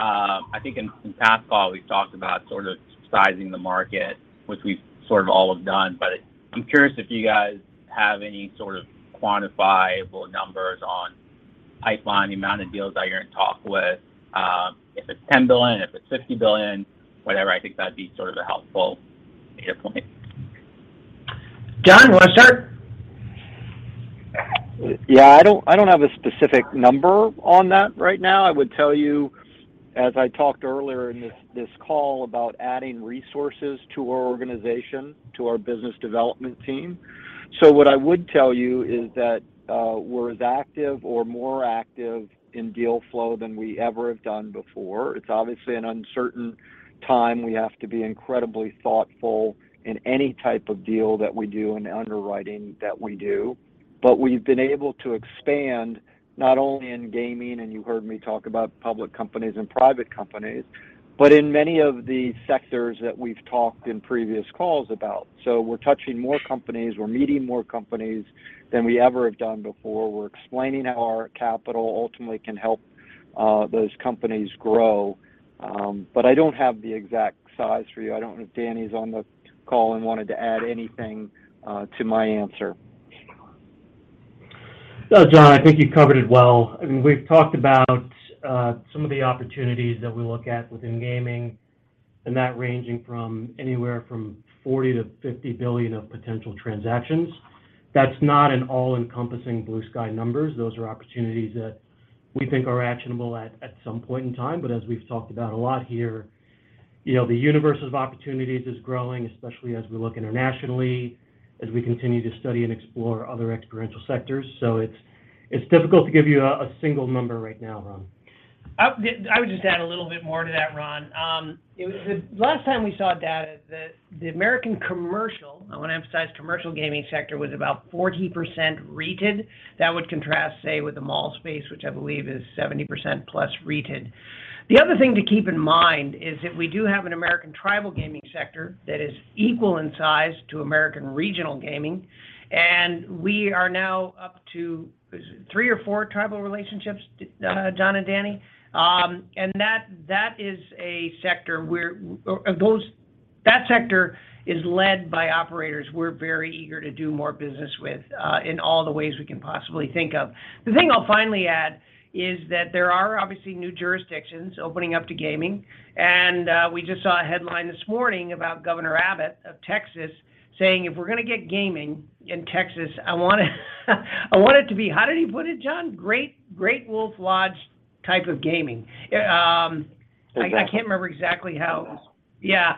I think in past call, we've talked about sort of sizing the market, which we sort of all have done. I'm curious if you guys have any sort of quantifiable numbers on pipeline, the amount of deals that you're in talk with, if it's $10 billion, if it's $50 billion, whatever. I think that'd be sort of helpful data point. John, you wanna start? Yeah, I don't have a specific number on that right now. I would tell you, as I talked earlier in this call about adding resources to our organization, to our business development team. What I would tell you is that we're as active or more active in deal flow than we ever have done before. It's obviously an uncertain time. We have to be incredibly thoughtful in any type of deal that we do and underwriting that we do. We've been able to expand not only in gaming, and you heard me talk about public companies and private companies, but in many of the sectors that we've talked in previous calls about. We're touching more companies, we're meeting more companies than we ever have done before. We're explaining how our capital ultimately can help those companies grow. I don't have the exact size for you. I don't know if Danny's on the call and wanted to add anything, to my answer. No, John, I think you covered it well. I mean, we've talked about some of the opportunities that we look at within gaming and that ranging from anywhere from $40 billion-$50 billion of potential transactions. That's not an all-encompassing blue-sky numbers. Those are opportunities that we think are actionable at some point in time. As we've talked about a lot here, you know, the universe of opportunities is growing, especially as we look internationally, as we continue to study and explore other experiential sectors. It's difficult to give you a single number right now, Ron. I would just add a little bit more to that, Ron. The last time we saw data that the American commercial, I want to emphasize commercial gaming sector, was about 40% REITed. That would contrast, say, with the mall space, which I believe is 70% plus REITed. The other thing to keep in mind is that we do have an American tribal gaming sector that is equal in size to American regional gaming, and we are now up to three or four tribal relationships, John and Danny? That is a sector where That sector is led by operators we're very eager to do more business with in all the ways we can possibly think of. The thing I'll finally add is that there are obviously new jurisdictions opening up to gaming. We just saw a headline this morning about Governor Abbott of Texas saying, "If we're going to get gaming in Texas, I want it to be..." How did he put it, John? Great Wolf Lodge type of gaming. Exactly. I can't remember exactly how. Yeah.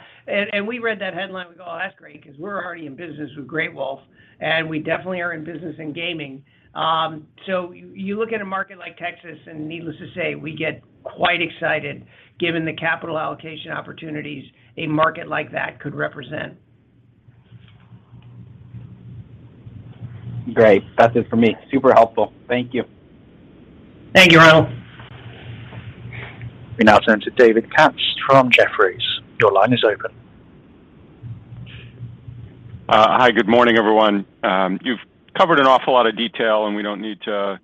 We read that headline, we go, "That's great," because we're already in business with Great Wolf, and we definitely are in business in gaming. You look at a market like Texas, and needless to say, we get quite excited given the capital allocation opportunities a market like that could represent. Great. That's it for me. Super helpful. Thank you. Thank you, Ron. We now turn to David Katz from Jefferies. Your line is open. Hi. Good morning, everyone. You've covered an awful lot of detail, and we don't need to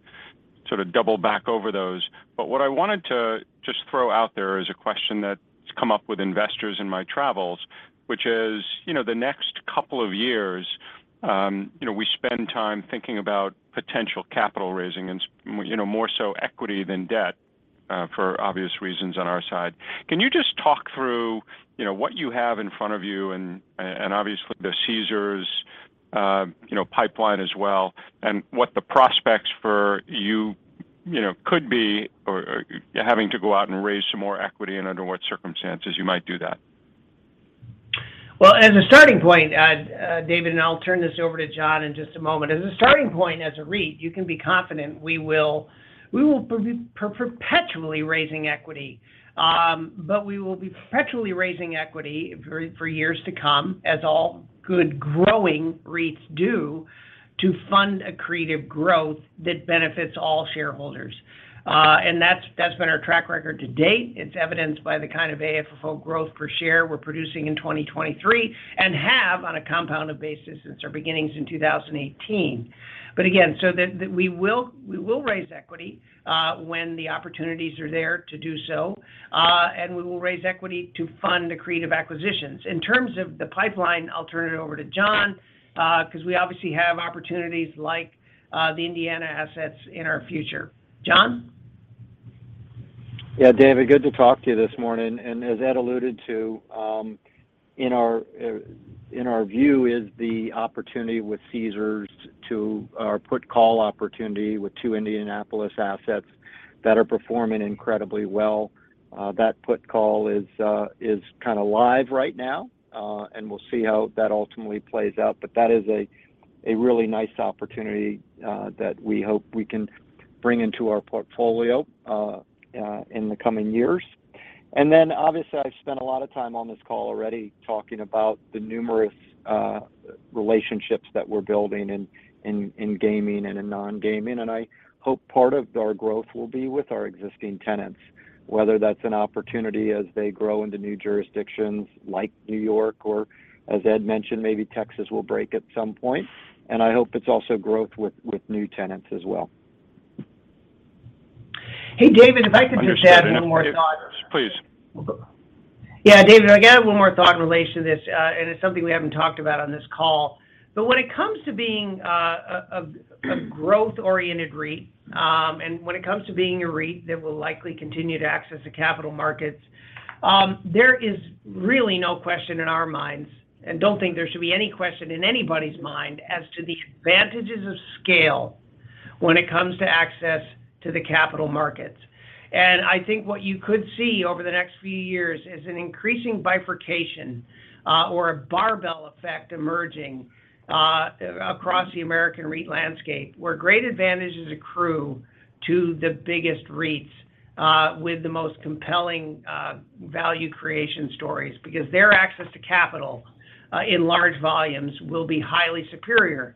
sort of double back over those. What I wanted to just throw out there is a question that's come up with investors in my travels, which is, you know, the next couple of years, you know, we spend time thinking about potential capital raising and, you know, more so equity than debt, for obvious reasons on our side. Can you just talk through, you know, what you have in front of you and, obviously the Caesars, you know, pipeline as well and what the prospects for you know, could be or, having to go out and raise some more equity and under what circumstances you might do that? As a starting point, David, and I'll turn this over to John in just a moment. As a starting point, as a REIT, you can be confident we will be perpetually raising equity. We will be perpetually raising equity for years to come, as all good growing REITs do, to fund accretive growth that benefits all shareholders. That's been our track record to date. It's evidenced by the kind of AFFO growth per share we're producing in 2023 and have on a compounded basis since our beginnings in 2018. Again, so that, we will raise equity when the opportunities are there to do so, and we will raise equity to fund accretive acquisitions. In terms of the pipeline, I'll turn it over to John, because we obviously have opportunities like the Indiana assets in our future. John? Yeah, David, good to talk to you this morning. As Ed alluded to, in our view is the opportunity with Caesars, our put/call opportunity with two Indianapolis assets that are performing incredibly well. That put/call is kind of live right now, and we'll see how that ultimately plays out. That is a really nice opportunity that we hope we can bring into our portfolio in the coming years. Obviously, I've spent a lot of time on this call already talking about the numerous relationships that we're building in gaming and in non-gaming. I hope part of our growth will be with our existing tenants, whether that's an opportunity as they grow into new jurisdictions like New York or as Ed mentioned, maybe Texas will break at some point. I hope it's also growth with new tenants as well. Hey, David, if I could just add one more thought. Please. Yeah, David, I got one more thought in relation to this, and it's something we haven't talked about on this call. When it comes to being a growth-oriented REIT, and when it comes to being a REIT that will likely continue to access the capital markets, there is really no question in our minds, and don't think there should be any question in anybody's mind as to the advantages of scale. When it comes to access to the capital markets, I think what you could see over the next few years is an increasing bifurcation, or a barbell effect emerging, across the American REIT landscape where great advantages accrue to the biggest REITs, with the most compelling, value creation stories because their access to capital, in large volumes will be highly superior.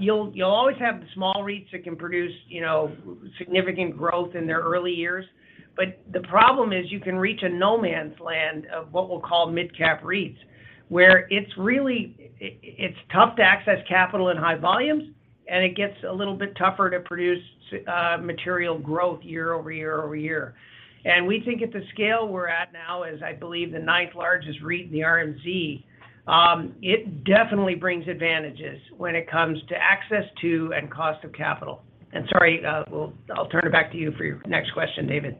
You'll always have the small REITs that can produce, you know, significant growth in their early years. The problem is you can reach a no man's land of what we'll call midcap REITs, where it's tough to access capital in high volumes, and it gets a little bit tougher to produce material growth year over year over year. We think at the scale we're at now as, I believe, the ninth largest REIT in the RMZ, it definitely brings advantages when it comes to access to and cost of capital. Sorry, I'll turn it back to you for your next question, David.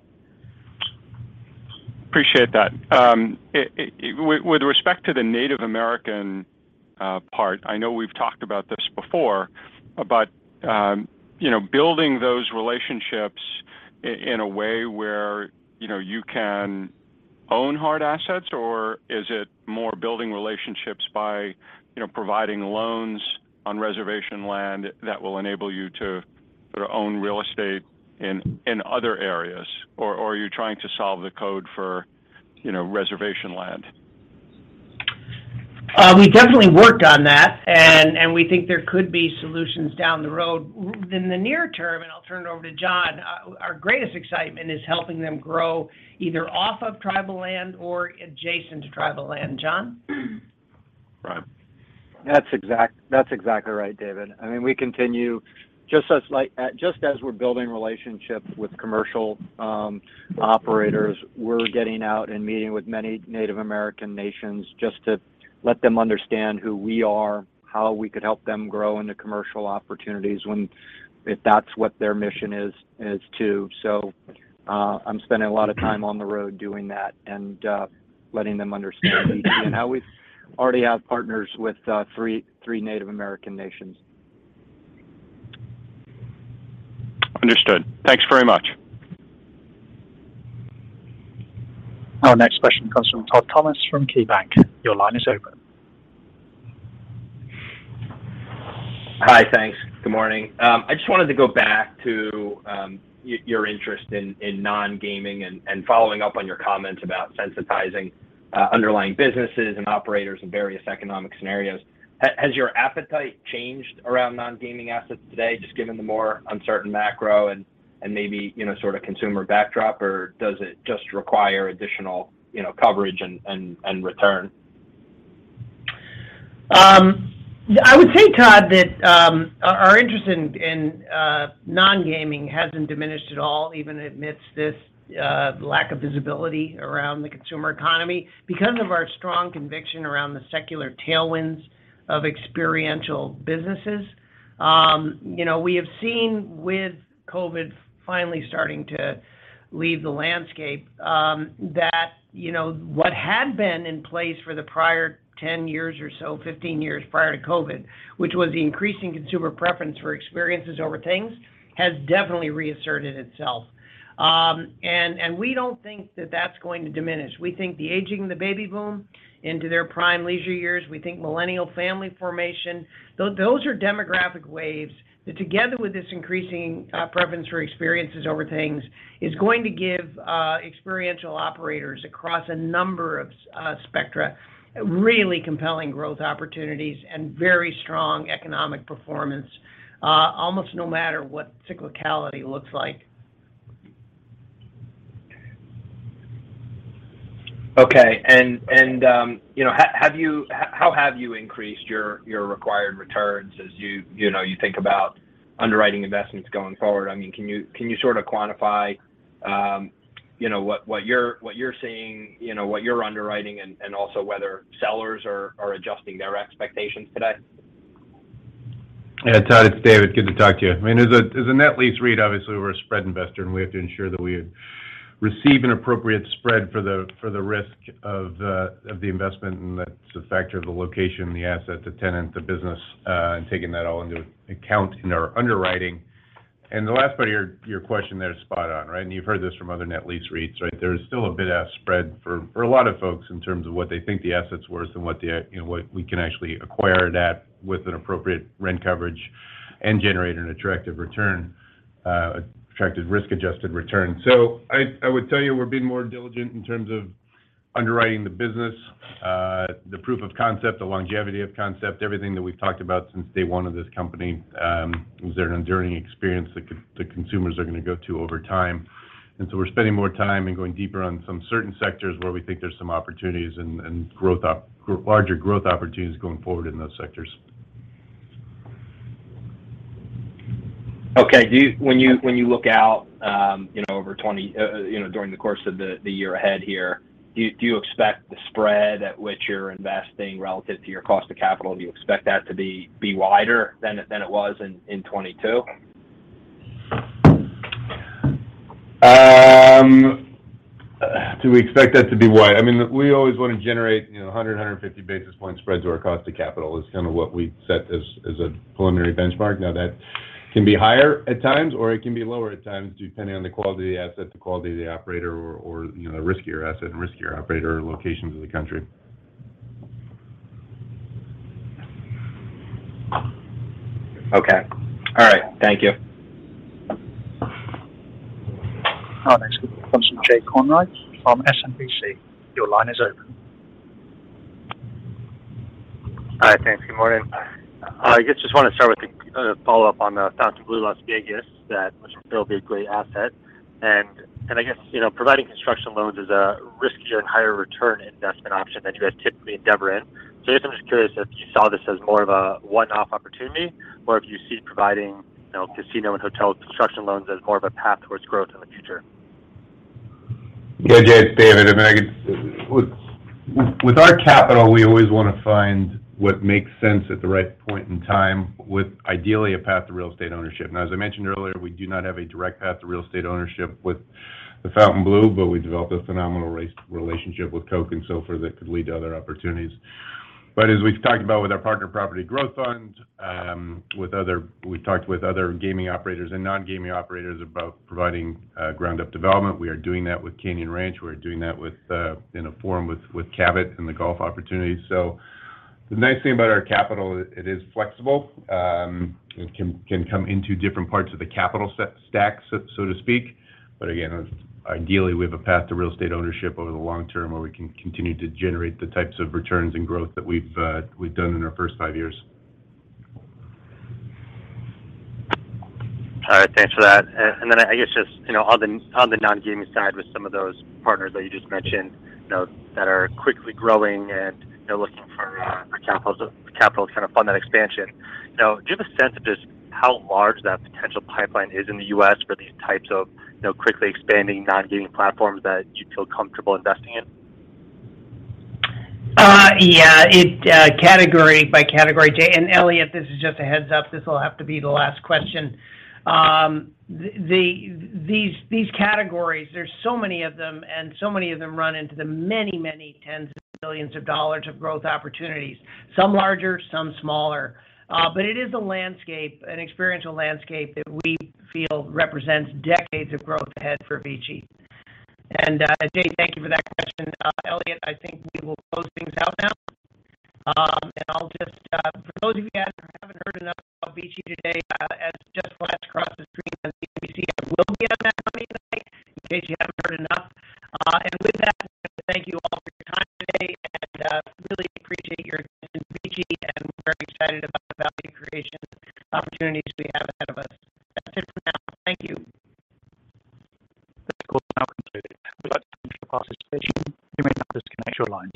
Appreciate that. With respect to the Native American part, I know we've talked about this before, but, you know, building those relationships in a way where, you know, you can own hard assets, or is it more building relationships by, you know, providing loans on reservation land that will enable you to own real estate in other areas? Or are you trying to solve the code for, you know, reservation land? We definitely worked on that, and we think there could be solutions down the road. In the near term, I'll turn it over to John, our greatest excitement is helping them grow either off of tribal land or adjacent to tribal land. John? Right. That's exactly right, David. I mean, we continue just as we're building relationships with commercial operators, we're getting out and meeting with many Native American nations just to let them understand who we are, how we could help them grow into commercial opportunities if that's what their mission is to. I'm spending a lot of time on the road doing that and letting them understand who we are. Now we already have partners with three Native American nations. Understood. Thanks very much. Our next question comes from Todd Thomas from KeyBanc. Your line is open. Hi. Thanks. Good morning. I just wanted to go back to your interest in non-gaming and following up on your comments about sensitizing underlying businesses and operators in various economic scenarios. Has your appetite changed around non-gaming assets today, just given the more uncertain macro and maybe, you know, sort of consumer backdrop? Or does it just require additional, you know, coverage and return? I would say, Todd, that our interest in non-gaming hasn't diminished at all, even amidst this lack of visibility around the consumer economy because of our strong conviction around the secular tailwinds of experiential businesses. You know, we have seen with COVID finally starting to leave the landscape, that, you know, what had been in place for the prior 10 years or so, 15 years prior to COVID, which was the increasing consumer preference for experiences over things, has definitely reasserted itself. We don't think that that's going to diminish. We think the aging of the baby boom into their prime leisure years, we think millennial family formation, those are demographic waves that together with this increasing preference for experiences over things is going to give experiential operators across a number of spectra, really compelling growth opportunities and very strong economic performance, almost no matter what cyclicality looks like. Okay. You know, how have you increased your required returns as you know, you think about underwriting investments going forward? I mean, can you sort of quantify, you know, what you're seeing, you know, what you're underwriting and also whether sellers are adjusting their expectations today? Todd, it's David. Good to talk to you. I mean, as a, as a net lease REIT, obviously, we're a spread investor, and we have to ensure that we receive an appropriate spread for the, for the risk of the investment, and that's a factor of the location, the asset, the tenant, the business, and taking that all into account in our underwriting. The last part of your question there is spot on, right? You've heard this from other net lease REITs, right? There is still a bit of spread for a lot of folks in terms of what they think the asset's worth and what the, you know, what we can actually acquire that with an appropriate rent coverage and generate an attractive return, attractive risk-adjusted return. I would tell you we're being more diligent in terms of underwriting the business, the proof of concept, the longevity of concept, everything that we've talked about since day one of this company, is there an enduring experience that the consumers are gonna go to over time. We're spending more time and going deeper on some certain sectors where we think there's some opportunities and larger growth opportunities going forward in those sectors. Okay. Do you, when you look out, you know, over 20, you know, during the course of the year ahead here, do you expect the spread at which you're investing relative to your cost of capital to be wider than it was in 2022? Do we expect that to be wide? I mean, we always want to generate 100-150 basis point spreads or cost of capital is kind of what we set as a preliminary benchmark. Now that can be higher at times or it can be lower at times depending on the quality of the asset, the quality of the operator or, you know, the riskier asset and riskier operator locations in the country. Okay. All right. Thank you. All right. Next, we have a question from Jay Kornreich from SMBC. Your line is open. All right. Thanks. Good morning. I guess just want to start with a follow-up on the Fontainebleau Las Vegas that will be a great asset. I guess, you know, providing construction loans is a riskier and higher return investment option that you guys typically endeavor in. I guess I'm just curious if you saw this as more of a one-off opportunity or if you see providing, you know, casino and hotel construction loans as more of a path towards growth in the future? Jay, it's David. I mean, with our capital, we always want to find what makes sense at the right point in time with ideally a path to real estate ownership. As I mentioned earlier, we do not have a direct path to real estate ownership with the Fontainebleau, but we developed a phenomenal relationship with Koch and Soffer that could lead to other opportunities. As we've talked about with our Partner Property Growth Fund, we've talked with other gaming operators and non-gaming operators about providing ground up development. We are doing that with Canyon Ranch. We're doing that with, in a forum with Cabot and the golf opportunities. The nice thing about our capital, it is flexible and can come into different parts of the capital stack, so to speak. Again, ideally, we have a path to real estate ownership over the long term where we can continue to generate the types of returns and growth that we've done in our first five years. All right. Thanks for that. I guess just, you know, on the non-gaming side with some of those partners that you just mentioned, you know, that are quickly growing and they're looking for capital to kind of fund that expansion. Now, do you have a sense of just how large that potential pipeline is in the U.S. for these types of, you know, quickly expanding non-gaming platforms that you feel comfortable investing in? Yeah, category by category, Jay, and Elliot, this is just a heads up. This will have to be the last question. These categories, there's so many of them, and so many of them run into the many, many tens of billions of dollars of growth opportunities, some larger, some smaller. It is a landscape, an experiential landscape that we feel represents decades of growth ahead for VICI. Jay, thank you for that question. Elliot, I think we will close things out now. I'll just, for those of you guys who haven't heard enough about VICI today, as just flashed across the screen on CNBC, I will be on that coming tonight in case you haven't heard enough. With that, thank you all for your time today. Really appreciate your attention to VICI. We're very excited about the value creation opportunities we have ahead of us. That's it for now. Thank you. This call is now concluded. We'd like to thank you for your participation. You may now disconnect your lines.